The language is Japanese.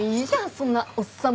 そんなおっさん